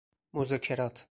مذاکرات